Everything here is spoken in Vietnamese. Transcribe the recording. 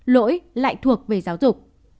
lỗi lại thuộc về giáo dục